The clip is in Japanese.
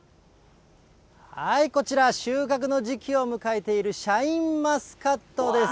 こちら、収穫の時期を迎えているシャインマスカットです。